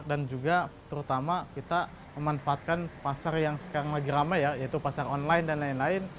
dan juga terutama kita memanfaatkan pasar yang sekarang lagi ramai ya yaitu pasar online dan lain lain